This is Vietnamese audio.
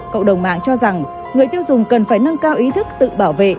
cộng đồng mạng cho rằng người tiêu dùng cần phải nâng cao ý thức tự bảo vệ